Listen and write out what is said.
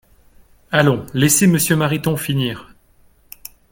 Allons, laissez Monsieur Mariton finir